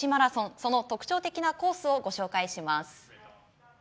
その特徴的なコースをご紹介します。